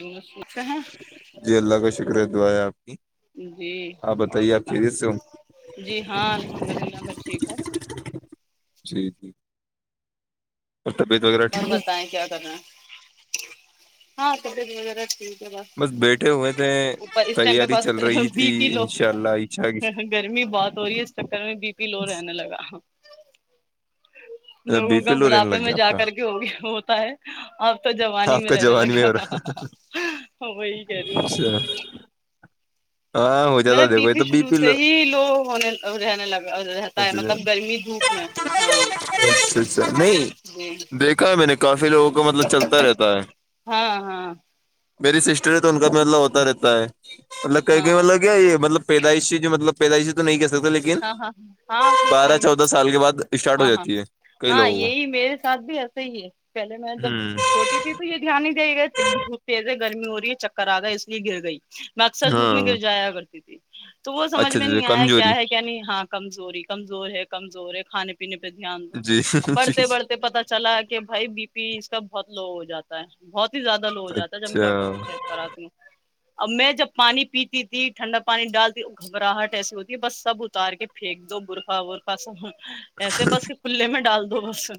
ان [unintelligible] [inaudible] جی اللہ کا شکرہ دعا آپ کی جی آپ اور بتائیے آپ کیریز بتاؤ سے ہو جی ہاں الحمد اللہ میں ٹھیک ہوں جی جیھ اور طبیت وغیرہ اور ٹھیک ہے بتائیں کیا کر رہے ہاں کبڑی وغیرہ ت بس بیٹھے ہوئے تھے اپر اس ٹائم پہ تیاری بس چل رہی بی تھی کلو انشاء اللہ عشاء کی گرمی بہت ہو رہی ہے اس چکر میں بی پی لو رہنے لگا اچھا، لوگوں بی پی کا لو رہنے بڑھاپے لگ میں گیا آپ جا کا کر کے ہوگیا ہوتا ہے اب تو جوانی ہی آپ میں کا رہنے جوانی میں ہو رہا لگا وہی کرہ اچھا رہی ہاں ہو میرا جاتا بی دیکھو یہ پی تو شروع سے لو ہی لو ہونے رہنے لگا رہتا ہے اچھا مطلب گرمی دھوپ میں ہاں جی کہ میں نے کافی لوگوں کا مطلب چلتا رہتا ہے ہاں ہاں میری سسٹر ہے تو ان کا بھی مطلب ہوتا رہتا ہے مطلب کہیں کہیں ہاں مطلب کیا یہ مطلب پیدائشی جو مطلب پیدائشی تو نہیں کر سکتا لیکن ہاں ہاں ہاں کچھ بارہ ٹائم چودہ سال کے بعد اسٹارٹ ہو ہاں ہاں جاتی ہے کئی ہاں لوگوں کو یہی میرے ساتھ بھی ایسے ہی ہے پہلے میں جب ہوں چھوٹی تھی تو یہ دھیان نہیں دے گا دھوپ تیز ہے گرمی ہو رہی ہے چکر آ رہا ہے اس لیے گر گئی میں اکثر دھوپ میں ہاں گر جایا کرتی تھی تو وہ سمجھ اچھا میں اچھا نہیں آیا کمزوری کیا ہے کیا نہیں ہاں کمزوری کمزور ہے کمزور ہے کھانے پ پینے پہ دھیان جی دو جی بڑھتے جی بڑھتے پتتا چلا کہ بھائی بی پی اس کا بہت لو ہو جاتا تا ہے بہت ہی زیادہ لو ہواتا ہے جب میں اچھا ڈاکٹر سے چیک کراتی ہوں اب میں جب پانی پیتی تھی ٹھنڈا پانی ڈالتی گھبراہٹ ایسی ہوتی ہے بس سب اتار کے پھینک دو برفہ ورفا سب ایسے بس کلے میں ڈال دو بس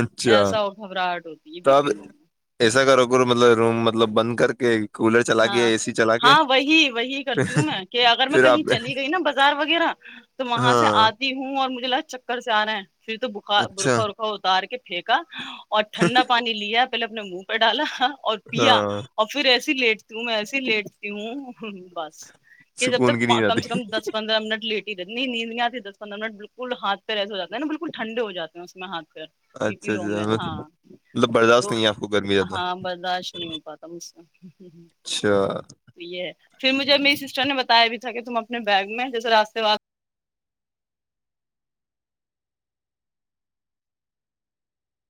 اچھا ایسا ہو گھبراہٹ ہوتی ہے تو بی آپ پی لوگ ایسا کرو کر مطلب روم مطلب بند کر کے کولر چلا کے ہاں ایےی ہاں وہی وہی کرتی ہوں میں کہ اگر میں پھر کہیں آپ چلی گئی نا بازار وغیرہ تو وہاں سے ہاں آتا ہوں اور مجھے لگا چکر سے آ رہا ہے پھر تو بار اچھا برخا ورخا اتار کے پھینکا اور ٹھنڈا پانی لیا پہلے اپنے منہ پہ ڈالا اور پیا ہاں اور پھر ایسے لیٹتی ہوں میں ایسے لیٹتی ہوں بس کہ جب سکون کی تک نیند کم سے آتی کم دس پندرہ منٹ لیٹ ہی د دی ندیاںھی دسندرہن بالکل ہاتھ پیر ایسے ہواتے نا بالکل ٹھڈے ہو جاتے ہیں اس میں ہاتھ پیر بی پی اچھا لو اچھا میں ہاں مطلب برداشت تو نہیں ہے آپ کو گرمی زیادہ ہاں برداشت نہیں ہو پاتا سمسیا ہوں ہوں اچھا یہ پھر مجھے میری سسٹر نے بتایا بھی تھا کہ تم اپنے بیگ میں جیسے راستے واس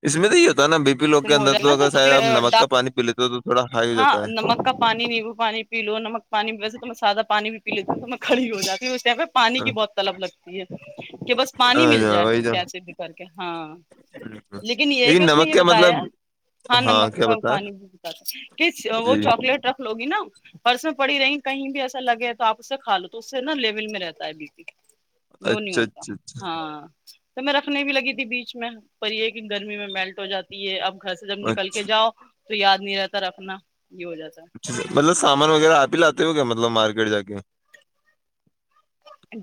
اس میں تو یہ ہوتا نا بی پی لوگ کے میں ہو اندر جائے تو نا اگر شاید چاکلیٹ آپ نمک کا پانی پی لیتے ہو تو تھوڑا ہائی ہو ہاں جاتا ہے نمک کا پانی نہیں وہ پانییو نمک پانی بھی ویسے تو میں سادہ پانی بھی پ لیتی تو میں کڑی ہو جی اسہ پانی کی بہت طلب لگتی ہے کہ بس پانی ہاں مل ہاں، جائے وہی تو کیسے بھی کر کے ہاں لیکن یہ ہے کہ اس نے نمک یہ کیا بتا مطلب ہاں نمک کیا کا بتا پانی با وہ جی چاکلیٹ رکھ لو گی نا پرس میں پڑی رہی کہیں بھی ایسا لگے ہے تو آپ اسے کھ لو تو اس سے نا لیول میں رہتا ہے بی پی لو نہیں اچھا ہوتا اچھا ہاں تو میں رکھنے بھی لگی تھی بیچ میں پر یہ کہ گرمی میں میلٹ ہو جاتی ہے اب گ جب اچھا نکل کے جاؤ تو یاد نہیں رہتا رکھنا یہ ہو جاتا ہے مطلب سامان وغیرہ آپ ہی لاتے ہو گ کیا مطلب مارکیٹ ج کے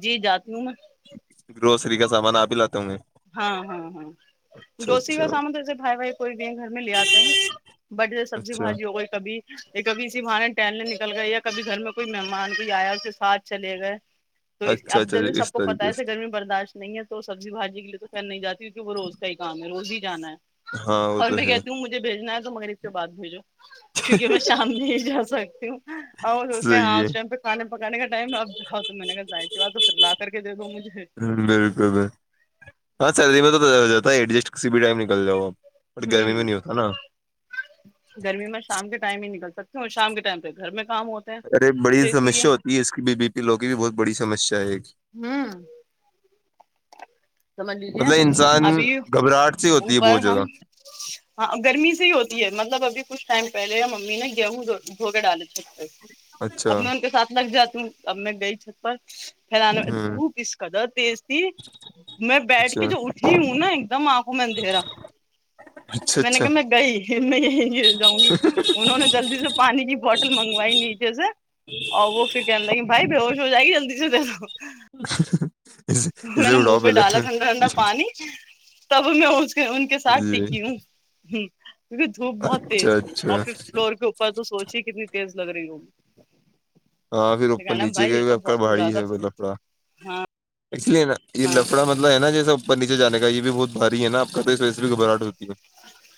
جی جاتی ہوں میں گروسری کا سامان آپ ہی لاتے ہوں گے ہاں ہاں ہاں اچھا جوسی اچھا کا سامان جیسے بھائی بھائی کوئی بھی گھر میں لے آتے ہیں بٹے سبزی اچھا بھجی ہو گئی کبھی یہ کبھی اسی بانے ٹہلنے نکل گئے یا کبھی گھر میں کوئی مہمان کوئی آیا اس کے ساتھ چلے گئے تو اس اچھا اب اچھا جیے اچھا، سب اس کو پتا طریقے ہے سے گرمی میں برداشت نہیں ہے تو سبزی بھجی کے لیے تو کر نہیں جاتی کی کہ وہ روز کا ہی کام ہے روز ہی جانا ہے ہاں وہ اور تو میں ہے کہتی ہوں مجھے بھیجنا ہے تو مگر اس پ بد بھیجو کیونکہ میں شام میں ہی جا سکتی ہوں اور پہ صحیح آ ہے ش پہ کھان پکانے کا ٹائم اب جاؤ تو میں نے کہ جائیواز تو پھر لا کر کے دے دو مجھے بالکل ب ہاں سیلری میں تو ز ہو جاتا ہے ایڈجسٹ کسی بھی ٹائم نکل جاؤ آپ بٹ گرمی ہوں میں نہیں ہوتا نا گرمی میں شام کے ٹائم ہی نکل سکتی ہوں اور شام کے ٹائم پہ گھر میں کام ہوتا ارے بڑی سمسیا ہوتی ہے اس کی بی بی پی لوگ کی بھی بہت بڑی سمسیا ہے ایک ہوں سمجھ لیجیے مطلب انسان ابھی گھبراہٹ سی ہوتی ہے اوپر بہت زیادہ ہم ہاں گرمی سے ہی ہوتی ہے مطلب ابھی کچھ ٹائم پہلے امی نے گیہوں بھوگے ڈالےتے اب اچھا میں ان کے ساتھ لگ جاتی ہوں اب میں گئی چھت پر پھیلان میں ہوں دھوپ اس قدر تیز تھی میں بیٹھ کے اچھا جو اٹھی ہوں نا ایک دم آپ میں ان دھی رہا اچھا میں نے اچھا کہ میں گئی میں یہیں گ جاؤں گی انہوں نے جلدی سے پانی کی بوٹل منگوائی نیچے سے اور وہ پھر کہنے لگی بھائی ب ہوش ہو جائے گی جلدی سے دو [inaudible] میں نے اسے منہ اٹھاؤ پہ پہلے ڈالا ٹھنڈا ٹھنڈا پانی تب میں ان کے ساتھ جی ٹکی ہوں کیونکہ دھوپ بہت اچھا تیز تھی اچھا اور ففت فلور کے اوپر تو سوچی کتنی تیز لگ رہی روم ہاں پھر اوپر نیچے کے ا کا ہی بھااریی زیادہ ہے وہ لفڑا ا لیے نا یہ لفا مطلب ہے نا جیس اوپر نیچے جان کا یہ بھی بہت باری ہے نا آپ کا تو اس وجہ سے بھی گھبراہٹ ہوتی ہے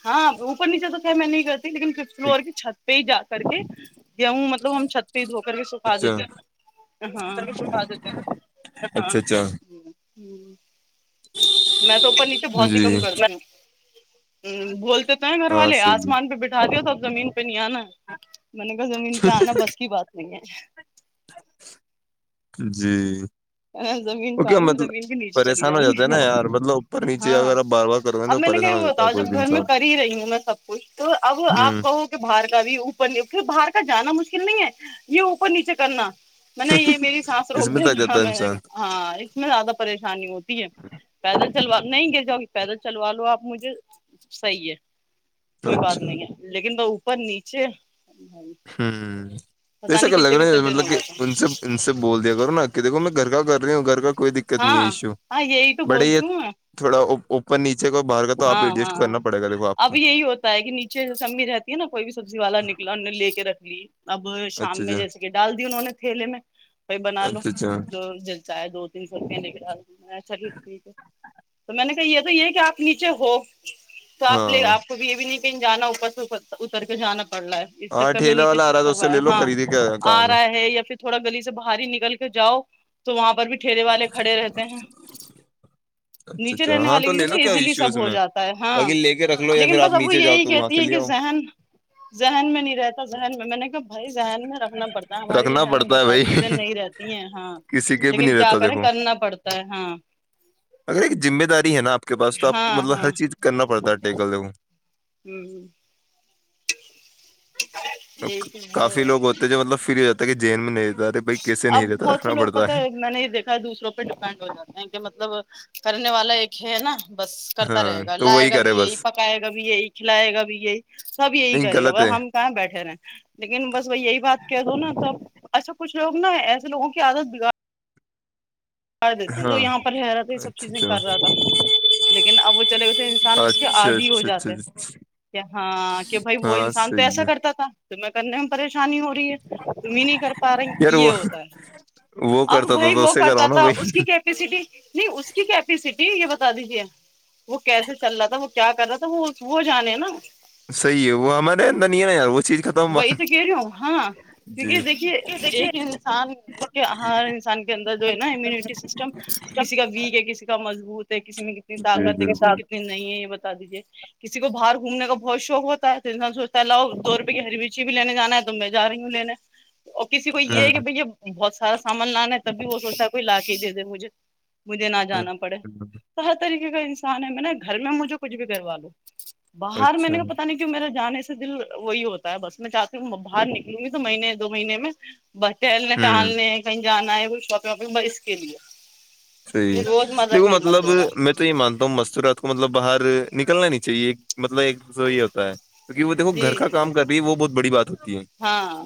ہاں اوپر نیچے تو کیا میں نہیں کرتی لیکن ففت ہے فلور کی چھت پہ ہی جا کر کے گیہوں مطلب ہم چھت پہ ہی دھو کر کے سکھا اچھا دیتے ہاں اچھا اچھا میں تو اوپر نیچے بہت ہی جی کم کرتی ہوں بولتے تو نا گھر ہاں والے صحیح آسمان پہ بیٹھے ہو توب زمین پہ نہیں آنا میں نے کہا زمین پہ آنا بس کی بات نہیں ہے جی ہے زمین پہ کیا آؤں گی مطلب زمین کے نیچے چلی پریشان ہو جاؤں جاتا ہے گی نا یار مطلب اوپر نیچے ہاں وغیرہ بار بار کرو گے اب تو میں نے کہ پریشان ہو جاتا بتا ہے جب کوئی بھی گھر میں انسان کر ہی رہی ہوں میں سب کچھ تو اب آپ ہوں کو باہر کا بھی اوپر باہر کا جانا مشکل نہیں ہے یہ اوپر نیچے کرنا میں نے یہ میری سانس اس روک میں دے تک گا جاتا ہے میں انسان ہاں اس میں زیادہ پریشانی ہوتی ہے پیدل چلوا نہیں گ جو پیدل چلوا لو آپ مجھے صحیح ہے کوئی بات اچھا نہیں ہے لیکن وہ اوپر نیچے ہوں پتا جیسا نہیں کہ لگ کتنے کتنے رہ دن ہو مطلب کہ گیا ان تھا سب ان سے بول دیا کرو نا دیکھو میں گھر کا کر رہی ہوں گھر کا کوئی دقت نہیں ہے ہاں ایشو ہاں یہی تو بڑے یہ بولتی ہوں تھوڑا ا اوپ نیچے کو باہر کا تو آپ ایڈجسٹ کرنا پڑے گا دیکو آپ کو تا ہے کہ نیچے جیس امی رہتی ہے نا کوئی بھی سبزی والا نکلا ان نے لے کے رکھ لی اب اچھا شام میں اچھا جیسے کہ ڈال دی انہوں نے تھیلے میں بائی بنا لو اچھا اچھا جو چاہے دو تین سو روپے نکلا چلیے ٹھیک ہے تو میں نے کہا یہ تو یہ ہے کہ آپ نیچے ہو تو آپ لے ہاں آپ کو بھی یہ بھی نہیں کہیں جانا اوپر سے اپ اتر کے جانا پڑ رہا ہے اس سک ہاں کا میں ٹھیلا نیچے والا آ رہا شفٹ تو اس سے کروایا لے لو ہاں خریدے کیا آ کام رہا ہے یا پھر تھوڑا گلی سے باہر ہی نکل کے جاؤ تو وہاں پر بھی ٹھیرے والے کھڑے رہتے ہیں اچھا نیچے اچھا رہنے ہاں والے کے لیے لے تو لو کیا ایزیلی ایشو سب اس ہو میں جاتا ہے ہاں باقی لے کے رکھ لو یا لیکن پھر آپ بس اب وہ نیچے جاؤ یہی تو وہاں کہتی سے ہیں لے کہ آؤ ذہن ذہن میں نہیں رہتا ذہن میں میں نے کہ بھائی ذہن میں رکھنا پڑتا ہے ہمارے بھی رکھنا ذہن میں پڑتا بہت ہے ساری بھائی چیزیں نہیں رہتی ہیں ہاں کسی کے بھی نہیں لیکن کیا رہتا کریں دیکھو کرنا پڑتا ہے ہاں اگر ایک ذمہ داری ہے نا آپ کے پاس تو آپ کو ہاں مطلب ہاں ہر چیز کرنا پڑتا ہے ٹیکل دو ہوں جی دیکھو کافی لوگ ہوتے ہیں جو مطلب فیل ہو جاتا ہے کہ جیین میں نہیں رہتا رہے بھائی کیسے اب نہیں رہتا بہت سے رکھنا لوگ پڑتا پتہ ہے میں نہیں دیکھتی دوسروں پہ ڈیپینڈ ہو جاتے ہیں کہ مطلب کرنے والا ایک ہے ہے نا بس ہے کرتا ہاں رہے گا تو لائے وہی گا کرے بھی یہی بس پکائے گا بھی یہی کھلائے گا بھی یہی سب یہی نہیں کرے گا غلط ب ہے ہم کہاں بیٹھے رہے ہیں لیکن بس بائی یہی بات کہہ دو نا سب کچھ لو نا ایسے لگوں کی عادت بگا کر دیتے ہیں جو ہاں یہاں پر رہ رہا تھا یہ سب اچھا چیزیں اچھا کر رہا تھا لیکن اب وہ چلے گئے تھے انسان اس کے اچھا آدھی ہو اچھا اچھا جاتے اچھا کہ ہاں کہ بھائی وہ ہاں انسان تو صحیح ایسا ہے کرتا تھا تو میں کرنے میں پریشانی ہوی ہے تمیں نہیں کر پا رہے یار یہ وہ ہوتا ہے وہ اب کرتا تھا بھائی تو وہ اس سے کراؤ کرتا تھا نا بھائی اس کی کیپیسٹی نہیں اس کیپیسٹی یہ بتا دیجیے وہ کیسے چل رہا تھا وہ کیا کر رہا تھا وہ وہ جانے نا صحیح ہے وہ ہمارے اندر نہیں ہے نا یار وہ چیز ختم ہوا وہی تو کہہ رہی ہ ہاں کیونکہ دیکھیے ایک انسان کے ہر انسان کے اندر جو امیونٹی سسٹم کسی کا ویک ہے کسی کا مضبوط ہے کسی میں کتنی جی طاقت ہے کسی بالکل میں کتنی نہیں ہے یہ بتا دیجیے کسی کو باہر گھومنے کا بہت شوق ہوتا ہے تو انسان سوچتا ہے لو دو روپئے کی ہری مرچی بھی لینے جانا ہے تم نہیں جا رہی ہو لینے اور کسی کو یہ ہے کہ بھ بہت سارا سامان لانا ہے تب بھی وہ سوچتا ہے کوئی لا کے ہی دے دے مجھے مجھے نہ ہ جانا پڑے تو ہر طریقے کا انسان ہے میں نے گھر میں مجھے کچھ بھی کروا لو باہر میں اچھا نے کا پتا نہیں جو میرا جانے سے دل وہی ہوتا ہے بس میں چاہتی ہوں باہر نکلوں گی تو مہینے دو مہینے میں بس ٹہلنے ہوں ٹہلنے کہیں جانا ہے کھ شاپنگ واپنگ ب اس کے لیے صحیح یہ ہے روز مرہ دیکھو کے لیے مت مطلب دوہراؤ میں تو یہ مانتا ہوں مستورات کو مطلب باہر نکلنا نہیں چاہیے مطلب ایک دوسرا یہ ہوتا ہے کیونک وہ دیکھو گھر جی کا کام کر رہی ہے وہ بہت بڑی بات ہوتی ہے ہاں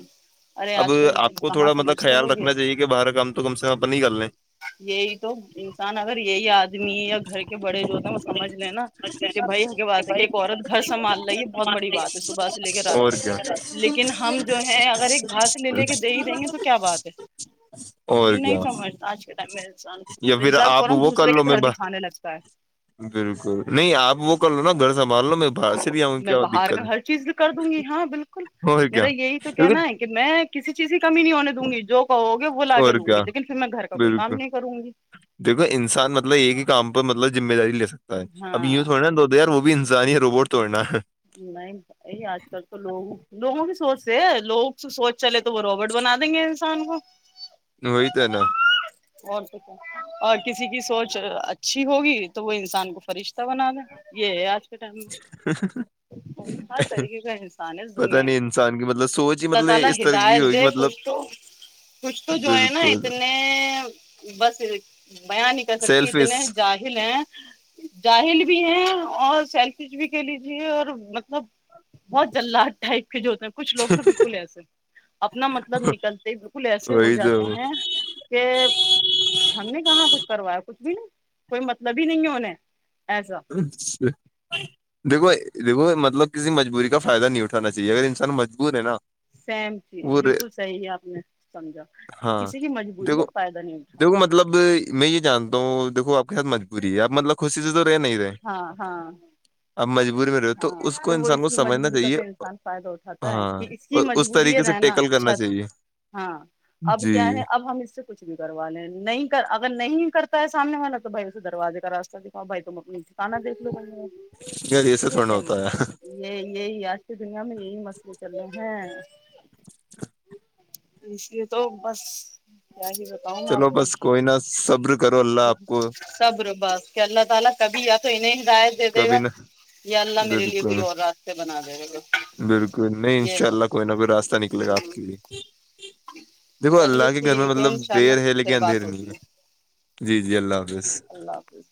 ارے اب آج کل آپ کو کہاں تھوڑا مطلب سمجھتے خیال لوگ یہ رکھنا چاہیے کہ باہر کام تو کم سے کم اپن ہی کر لیں یہی تو انسان اگر یہی آدمی یا گھر کے بڑے جو ہوتے ہیں وہ سمجھ لے نا کہ بھائی کی بات ہے کہ ایک عورت گھر سنبھال رہی ہے بہت بڑی بات ہے صبح سے لے کے رات اور کیا تک لیکن ہم جو ہے اگر ایک بھاس لے لے کے دے ہی دیں گے تو کیا بات ہے اور کیا ننئیس مارتا آج کے ٹائم یا پھر انسان آپ فورا وہ کر دوسرے کے لو میں گھر باہر دکھانے لگتا ہے بالکل نہیں آپ وہ کر لو نا گھر سنبال لو میں باہ پھر ہی آؤں میں کیا باہر دقت کا ہے ہر چیز کر دوں گی ہاں بالکل اور میرا کیا یہی تو کیونکہ کہنا ہے کہ میں کسی چیز کی کمی نہیں ہونے دوں گی جو کہو گے وہ لا کے اور دوں کیا گی لیکن پھر میں گھر کا کوئی کام نہیں کروں گی دیکو انسان مطلب ایک ہی کام پر مطلب ذمہ داری لے سکتا ہے ہاں اب یو تھوا دو تو یار وہ بھی انسان ہی ہے روبوٹ تھوڑی نا ہے نہیں یہی آج کل تو لوگ لوگوں کی سوچ سے لوگ سوچ چلے تو وہ روبٹ بنا دیں گے انسان کو وہی تو ہے نا اور کچھ اور کسی کی سوچ اچھی ہوگی تو وہ انسان کو فرشتہ بنا دیں یہ ہے آج کے ٹائم میں [inaudible] ہر طریقے کا انسان ہے اس پتا دنیا نہیں انسان کی مطلب سوچ ہی اللہ تعالی مطلب اس طرح کی ہدایت ہوگی دے مطلب کچھ تو کچھ تو جو ہے نا بالکل اتنے بس بیاں نہیں کر سکتی اتنے سیلفش جاہل ہیں جاہل بھی ہے اور سیلف کچ بھی کہ لیجیے اور مطلب بہت جلد ٹائپ کے جو ہوتے ہیں کچھ لوگ تو بالکل ایسے اپنا مطلب نکلتے بالکل ایسے ہو وہی تو جاتے ہیں کہ ہم نے کہاں کچھ کروایا کچھ بھی نا کوئی مطلب ہی نہیں ہے انیں ایسا اچھا دیکو دھو مطلب کسی مجبوری کا فائدہ نہیں اٹھانا چاہے اگر انسان مج سیم چیز بالکل صحیح ہے آپ نے سمجھا کہ ہاں کسی کی مجبوری دیکھو کا فائدہ نہیں اٹھاؤں دیکھو مطلب میں یہ جانتا ہوں دیکو آپ کے ساتھ مجبوری ہے آپ مطلب خوشی سے تو رہ نہیں رہے ہاں ہاں اب مجبوری میں ہو تو ہاں اس کو وہ انسان کو کی سمجھنا مجبوری کا چاہیے تو انسان فائدہ اٹھاتا ہے ہاں کہ کی اور اس مجبوری ہے طریقے سے رہنا ٹیکل کرنا چھت چاہیے جیے ہاں اب کیا ہے اب ہم اس سے کچھ بھی کروا لیں نہیں اگر نہیں کرتا ہے سامنے والا تو بھائی اسے دروازے کا راستہ دکھاؤ بھائی تم اپنی کانا دیک لو کو یار ایسے تھوڑا ہوتا ہے یہ یہی آج کی دنیا میں یہی مسئلے چلے ہیں اس لیے تو بس کیا ہی بتاؤں میں چلو آپ کو بس کوئی نہا صبر کرو اللہ آپ کو کبر بس کہ اللہ تعالی کبھی یا تو انہیں ہدیت دے دے گا کبھی نہ یا اللہ میرے لیے کوئی بالکل اور راستے بنا دے گا بالکل نہیں ان یہ شاء ہے اللہ کوئی نہ کوئی راستہ نکلے گا آپ ہمم کے لیے دیکھو چلیے اللہ کے گھر میں ٹھیک ہے مطلب انشاء دیر اللہ ہے لیکن پھر بات اندھیر نہیں ہوتی ہے جی جی اللہ حافظ اللہ حافظ